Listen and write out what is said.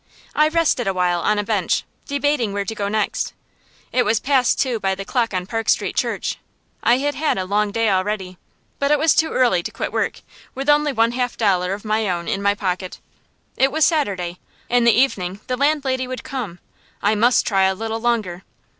I rested a while on a bench, debating where to go next. It was past two by the clock on Park Street Church. I had had a long day already, but it was too early to quit work, with only one half dollar of my own in my pocket. It was Saturday in the evening the landlady would come. I must try a little longer.